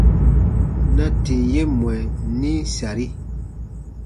Na tìm ye mwɛ nim sari :